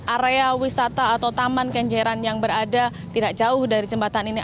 area wisata atau taman kenjeran yang berada tidak jauh dari jembatan ini